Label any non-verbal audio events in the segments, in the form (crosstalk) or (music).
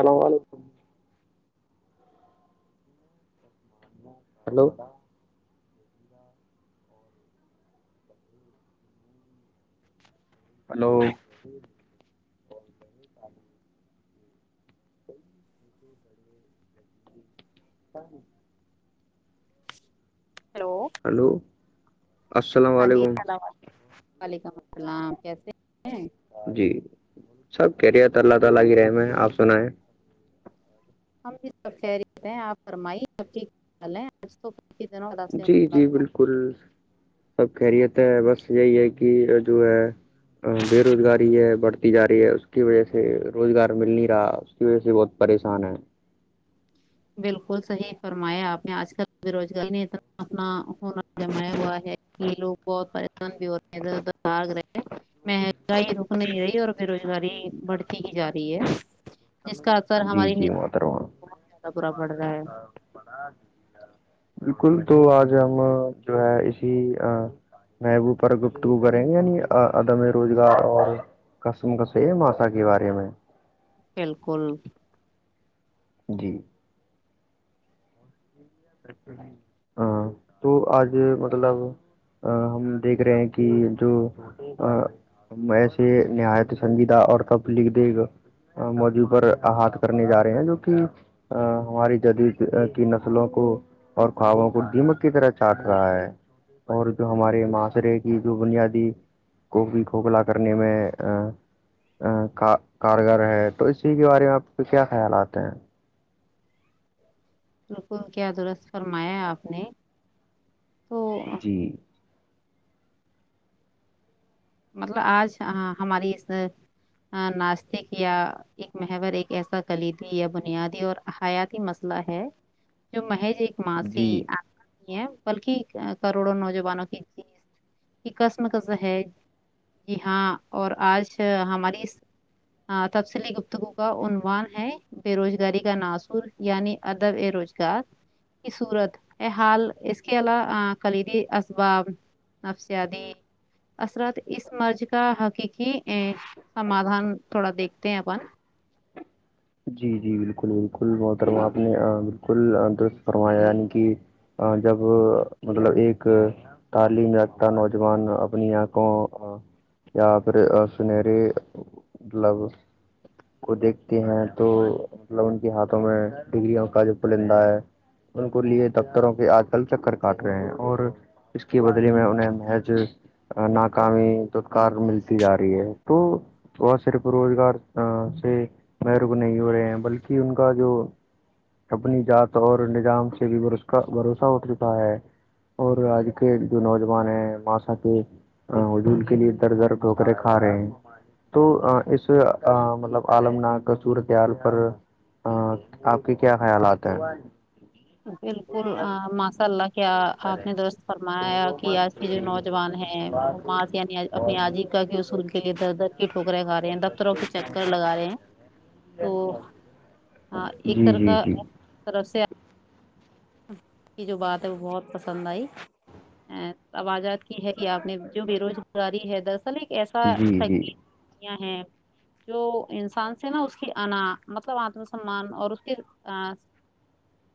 سلام علیکم hello hello hello hello ہاں جی اسلام علیکم وعلیکم السلام کیسے ہیں جی سب خیریت اللہ تعالی کی رحم ہے آپ سنا ہے ہم یہ سب خیریت ہیں آپ فرمائیے سب ہے آج تو کتنا ہوا جی جی بالکل سب خیریت ہیں بس یہی ہے کہ کہ جو ہے بے روزگاری ہے بڑھتی جا رہی ہے اس کی وجہ سے روزگار مل نہیں رہا اس کی وجہ سے بہت پریشان ہے بالکل صحیح فرمایا آپ نے آج کل بے روزگاری نے اتنا اپنا ہونا جما ہوا ہے یہ لوگ بہت پریشان بھی ہو رہے ہیں اھرھاگ رہ مہنگائی رک نہیں رہی اور بے روزگاری بڑھتی کی جا رہی ہے جس کا اکثر جی ہماری بہت زیادہ برا پڑ رہا ہے (unintelligible) بالکل تو آج ہم جو ہے اسی محبو پر گپت گو کریں گے یعنی عدم روزگار اور کسم کس ہے ماشا کے بارے میں بالکل جی اچ ہاں تو آج مطلب ہم دیکھ رہے ہیں کہ جو ہم ایسے نہایت سنجیدہ اور تب لکھ دے گا موضوع پر احط کرنے جا رہے ہیں جو کہ ہماری جدید کی نسلوں کو اور خواابوں کو دیمک کی طرح چاٹ رہا ہے اور جو ہمارے معاشرے کی جو بنیادی کوک کھوکھلا کرنے میں کاکارگر ہے تو اسی کے بارے میں آپ کے کیا خیالات ہیں بالکل کیا درست فرمایا آپ نے تو (inaudible) مطلب آج ہماری اس ناسستک یا ایک محور ایک ایسا کلیدی یا بنیادی اور حیاتی مثلہ ہے جو محج ایک ماں سے جی ہے بلکہ کروڑوں نوجوانوں کی جیت کی کسم کس ہے جی ہاں اور آج ہماری ہاں تفصلی گفتگو کا عنوان ہے بے روزگاری کا ناصر یعنی ادب ا روزگار کی صورت ا حال اس کے علاوہ کلیدی اسباب نفسیادی اثرات اس مرض کا حقیقی ا سمادھان تھوڑا دیکھتے ہیں اپن جی جی بالکل بالکل محترمہ آپ نے بالکل درست فرمایا یعنی کہ جب مطلب ایک تعلیم رکھتا نوجوان اپنی آنکھوں یا پھر سنہری مطلب کو دیکھتے ہیں تو مطلب ان کے ہاتھوں میں ڈگروں کا جو پرلندہ ہے ان کو لیے دفتروں کے آج کل چکر کاٹ رہے ہیں اور اس کی بدلے میں انہیں محج ناکامی توکار ملتی جا رہی ہے تو وہ صرف روزگار ا سے م رک نہیں ہو رہے ہیں بلکہ ان کا جو اپنی جات اور نظام سے بھی بورسا بھروسہ اٹھ چکا ہے اور آج کے جو نوجوان ہیں ماسا کے حجول کے لیے در در ٹھوکرے کھا رہے ہیں تو اس ا مطلب عالم نگ کا سورتیاال پر آپ کے کیا خیالات ہیں بالکل ماشاء اللہ کیا آپ نے درست فرمایا کہ آج کے جو نوجوان ہیں اس یعنی اپنی آجی کا کیصول کے در در کی ٹوکرے گا رہے ہیں دفتر روں کےچکر لگا رہے ہیں تو ہ ایک جی طر جی کا جی طرف سے یہ جو بات ہے وہ بہت پسند آئی ا آوجات کی ہے کہ آپ نے جو بے روزگاری ہے دس اصل ایک ایسا جی جی سیا ہے جو انسان سے نا اس کی انا مطلب آتم سمان اور اس کے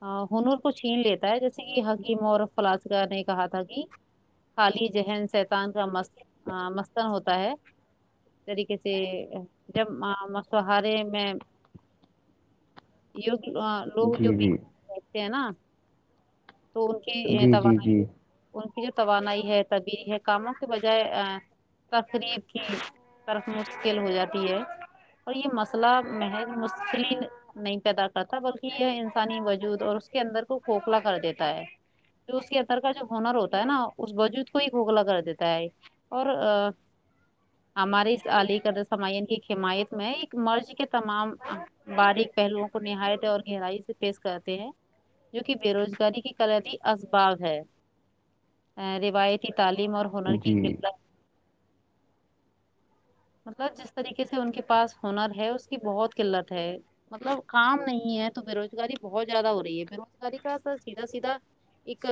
ہاں ہنر کو چھین لیتا ہے جیسے کہ حکیم اور فلاسکہ نے کہا تھا کہ خالی ذہن شایتان کا م مستن ہوتا ہے طریقے سے جب مسہارے میں (inaudible) یہ لوگ جو جی بی جی رہتے ہیں نا تو ان کی جی جی توانائی جی ان کی جو توانائی ہے تبدیلی ہے کاموں کے بجائے ا تقریب کی طرق مشکل ہو جاتی ہے اور یہ مسئلہ محض مسفل نہیں پیدا کرتا بلکہ یہ انسانی وجود اور اس کے اندر کو کوکھلا کر دیتا ہے جو اس کے اندر کا جو ہونر ہوتا ہے نا اس وجود کو ہی کھو کھلا کر دیتا ہے اور آ ہمارے اس علی کرسمعین کی حمایت میں ایک مرض کے تمام باریک پہلوؤں کو نہایت اور گہرائی سے پیش کرتے ہیں جو کہ بے روزگاری کی قلتیی اسباب ہے روایتی تعلیم اور ہنر کی جی مطلب جس طریقے سے ان کے پاس ہنر ہے اس کی بہت قلت ہے مطلب کام نہیں ہے تو بے روزگاری بہت زیادہ ہو رہی ہے بے روزگاری کا اثر سیدھا سیدھا ایک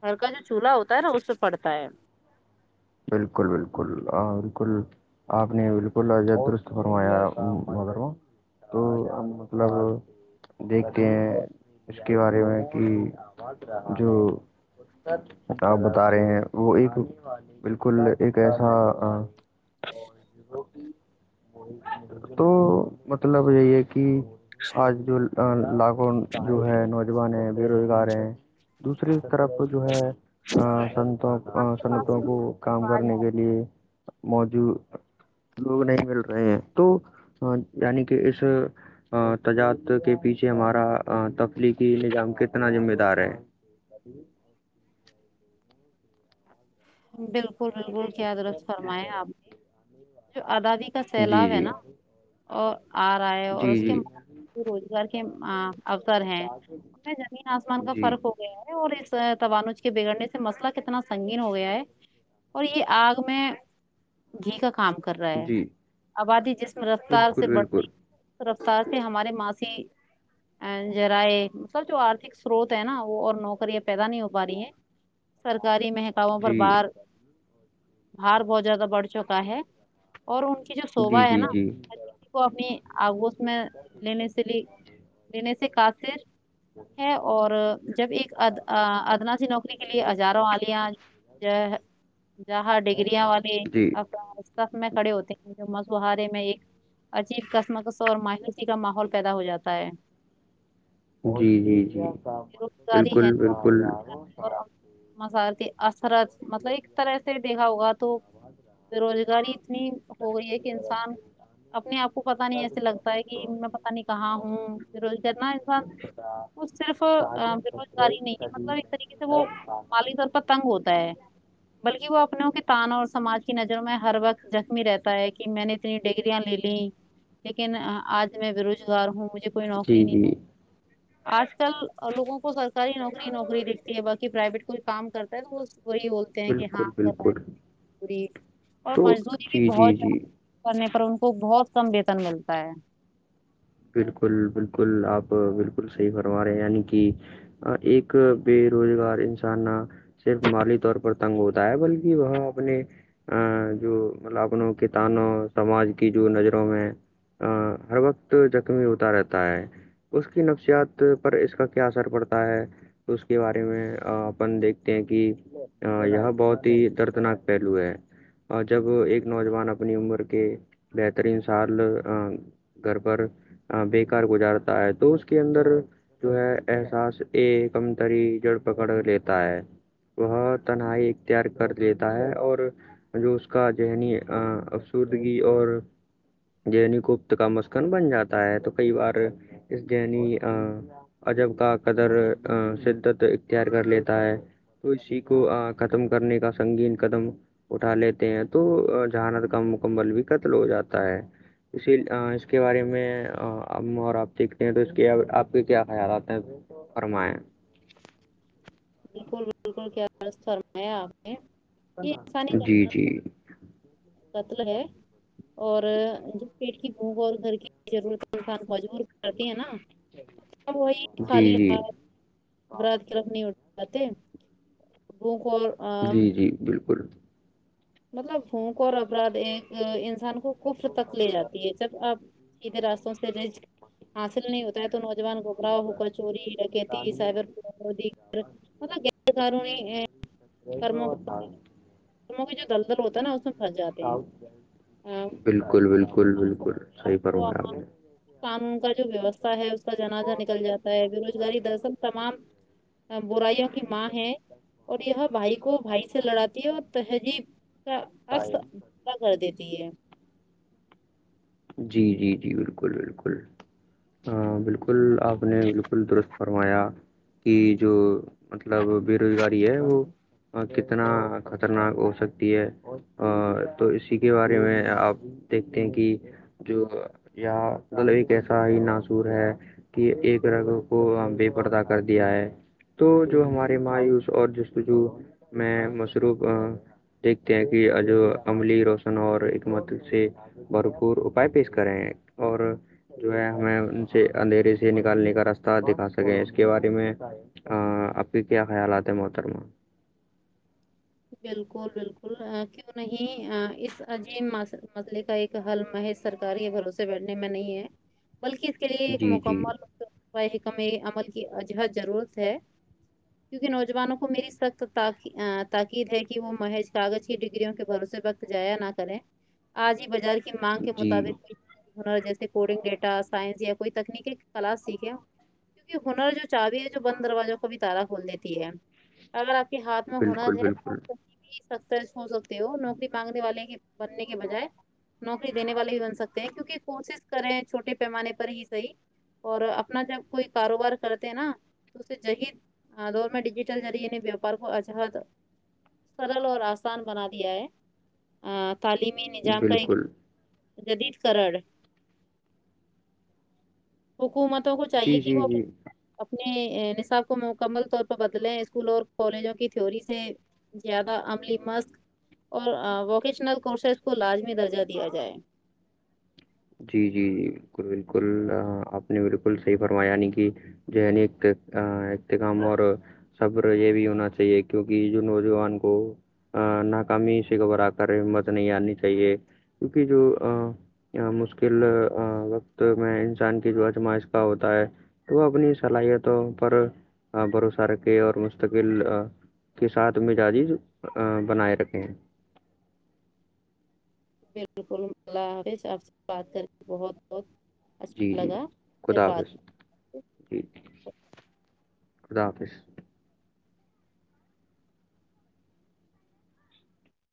گھر کا جو چولہا ہوتا ہے نا اس پے پڑتا ہے بالکل بالکل آ بالکل آپ نے بالکل درست فرمایا مگر تو مطلب دیکھتے ہیں اس کے بارے میں کہ جو آپ بتا رہے ہیں وہ ایک بالکل ایک ایسا تو مطلب یہی ہے کہ آج جو لاکھوں جو ہے نوجوان ہیں بے روزگار ہیں دوسری طرف جو ہے ا سنتوں آپ کے پاس سنتوں سے کو کام آواز آ رہی کرنے کے لیے موجود لوگ نہیں مل رہے ہیں تو یعنی کہ اس تجاد کے پیچھے ہمارا تفلیقی نظام کتنا ذمہ دار ہے (inaudible) بالکل بالکل بالکل کیا درست فرمایا آپ نے جو ازادی کا جی سیلاب ہے جی نا اور آ رہا ہے اور اس جی کے روزگار کے اوسر ہیں ہم میں زمین آسمان کا جی جی فرق ہو گیا ہے اور اس توانج کے بگڑنے سے مسئلہ کتنا سنگین ہو گیا ہے اور یہ آگ میں گھی کا کام کر کر رہا ہے جی آبادی جس رفتار سے بالکل بڑھ رہی بالکل ہے اس رفتار سے ہمارے ماسیی ا ذراع مطلب جو آرھک سروت ہے نا وہ اور نوکریاں پیدا نہیں ہو پا رہی ہیں سرکاری مہکاؤوں پر جی بار بار بہت زیادہ بڑھ چکا ہے اور ان کی جو جی شوبا ہے جی نا جی اس کو اپنی آگوش میں لینے سے لینے سے کاسر ہے اور جب ایک اد ادناسی نوکری کے لیے ہزاروں آد جی جاہاں ڈگرییاں والے جی ب میں کھڑے ہوتے ہیں جو مسوہارے میں ایک عجیب کسمکس اور مایوسی کا ماحول پیدا ہو جاتا ہے جی جی جی بے روزگاری بالکل ہے نا بالکل اور مزارتی اثرت مطلب ایک طرح سے دیکھا ہوگا تو بے روزگاری اتنی ہو گئی ہے کہ انسان اپنے آپ کو پت نہیں ایسے لگتا ہے کہ میں پتاہ نہیں کہاں ہوں روز کرنا ایسا وہ صرف بے روزگاری نہیں ہے مطلب ایک طریقے سے وہ مالی طور پر تنگ ہوتا ہے بلکہ وہ اپنوں کے تانا اور سماج کی نظروں میں ہر وقت زخمی رہتا ہے کہ میں نے اتنی ڈگریاں لے لیں لیکن آج میں بے روزگار ہوں مجھے کوئی جی نوکری جی نہیں آج کل لوگو کو سرکاری نوکری نوکری دکھھتی ہے باقی پرائیویٹ کچھ کام کر (unintelligible) کہ ہاں بالکل کرا بالکل رہ موری اور تو مزدوری بھی جی جی بہت جی زیادہ کرنے پر ان کو بہت کم ویتن ملتا ہے بالکل بالکل آپ بالکل صحیح فرما رہے ہیں یعنی کہ ایک بے روزگار انسان نہ صرف مالی طور پر تنگ ہوتا ہے بلکہ وہ اپنے ا جو مطلب اپن کتانوں سماج کی جو نظروں میں ا ہر وقت زخمی ہوتا رہتا ہے اس کی نفسیات پر اس کا کیا اثر پرتا ہے اس کے بارے میں اپن دیکھتے ہیں کہ ہ یہ بہت ہی دردناک پہلو ہے اور جب ایک نوجوان اپنی عمر کے بہترین سال گھر ا بےیکار گزارتا ہے تو اس کے اندر جو ہے احساس ایک کمتری جڑ پکڑ لیتا ہے وہ تنہائی اختیار کر لیتا ہے اور جو اس کا ذہنی افسردگی اور ذہنی گفت کا مسئلہ کن بن جاتا ہے تو کئی بار اس جنی عجب کا قدر شدت اختیار کر لیتا ہے تو اسی کو ختم کرنے کا سنگین قدم اٹھا لیتے ہیں تو جہانت کا مکمل بھی قتل ہو جاتا ہے اسی کے بارے میں اور آپ سیکھتے ہیں تو اس کے آپ کے کیا خیال آتے ہیں فرمایں بالکل بالکل کیا فرمایا آپ نے یہ انسانی جی نفر جی قتل ہے اور جو پیٹ کی بھوک اور گھر کی ضرورت انسان مجبور کرتی ہے نا (unintelligible) اب وہی جی خالی جی اراد کی رفت نہیں اٹھ جاتے بھوک اور آ، جی جی بالکل مطلب پھونک اور اپرادھ ایک انسان کو کفر تک لے جاتا یہ سب آپ سیدھے راستوں سے حاصل نہیں ہوتا ہوتا ہے تو نوجوان گھبرا ہوک چوری ڈکیتی سائبر (unintelligible) غیر قانونی (unintelligible) ت کی جو دلدل ہوتا ہے نا اس میں پھنس جاتے ہیں آ، بالکل بالکل بالکل صحیح فرمایا آپ نے کاموں کا جو ویوستھا ہے اس کا جنازہ نکل جاتا ہے بے روزگاری دراصل تمام برائیوں کی ماں ہے اور یہ بھائی کو بھائی سے لڑاتی ہے اور تہذیب کا عکس اغا دیتی ہے جی جی جی بالکل بالکل ہن بالکل آپ نے بالکل درست فرمایا کی جو مطلب بے روزگاری ہے وہ کتنا خطرناک ہو سکتی ہے تو اسی کے بارے میں آپ دیکھتے ہیں کہ جو یہ مل ایک ایسا ہی ناصور ہے کہ ایک رگ کو بے پرردہ کر دیا ہے تو جو ہمارے مایوس اور جسجو میں مصروف دیکھتے ہیں کہج عملی روشن اور ایککمت سے بھرپور پائی پیس کرے ہیں اور جو ہے ہمیں ان سے اندھیرے سے نکالنے کا رستہ دکھا سکے اس کے بارے میں ا آپ کے کیا خیالات ہیں محترما بالکل بالکل کیوں نہیں اس عجیب مسئلے کا ایک حل محض سرکاری یا بھروسے بیٹھنے میں نہیں ہے بلکہ اس کے لیے ایک جی جی مکمل محکمہ عمل کی اجہد ضرورت ہے کیونکہ نوجوانوں کو میری سخت تق تقید ہے کہ وہ مہیش کاغذ کی ڈگریوں کے بھروسے وقت جایا نہ کریں آج ہی بازار کی کی مانگ کے جی مطابق ہنر جیسے کوڈنگ ڈیٹا سائنس یا کوئی تکنیکی کلاس سیکھے ہنر جو چاابی ہے جو بند دروازوں کا بھی تارہ کھول دیتی ہے اگر آپ کے ہاتھ میں ہنر بالکل ہے بالکل ستر ہو سکتے ہو نوکری مانگنے والے کے بننے کے بجائے نوکری دینے والے بھی بن سکتے ہیں کیونکہ کوشش کرے ہیں چھوٹے پیمانے پر ہی صحیح اور اپنا جب کوئی کاروبار کرتے ہیں نا تو اسے جہید ہاں دور میں ڈیجیٹل ذریعے نے ویاپار کو اچہد سرل اور آسان بنا دیا ہے تعلیمی نظام کا ایک بالکل جدید قار حکومت کو چاہیے جی کہ جی وہ اپ جی اپنے نصاب کو مکمل طور پر بدلیں اسکولوں اور کالجوں کی تھیوری سے زیادہ عملی مسق اور ووکیشنل کورسز کو لازمی درجہ دیا جائے جی جی جی بالکل بالکل آپ نے بالکل صحیح فرمایا نہیں کہ جنی ایک ایک ہم اور سبر یہ بھی ہونا چاہیے کیونکہ جو نوجوان کو ناکامی سے گھبرا کرمت نہیں آنی چاہیے کیونکہ جو مشکل وقت میں انسان کی جو اجمائش کا ہوتا ہے تو وہ اپنی صلاحیتوں پر بھروسہ رکھے اور مستقل کے ساتھ مزاجی بنائے رکھے ہیں بالکل اللہ حافظ آپ سے بات کر کے بہت بہت جی اچھا جی لگا پھر خدا حافظ بات جی خدا حافظ